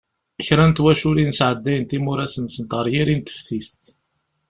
Kra n twaculin sεeddayent imuras-nsen ɣer yiri n teftist.